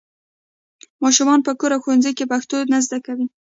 ماشومان په کور او ښوونځي کې پښتو نه زده کوي.